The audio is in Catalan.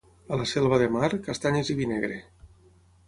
A la Selva de Mar, castanyes i vi negre.